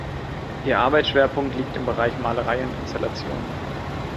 Ihr Arbeitsschwerpunkt liegt im Bereich Malerei und Installationen.